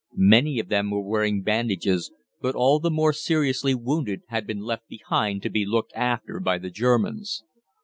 Many of them were wearing bandages, but all the more seriously wounded had been left behind to be looked after by the Germans.